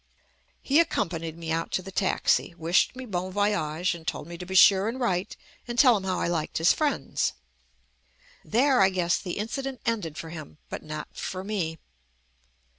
He accompanied me out to the taxi, wished me bon voyage and told me to be sure and write and tell him how I liked his friends — there I guess the incident ended for him, but not for me.